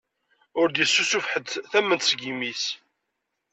Ur d-issusuf ḥedd tament seg imi-s.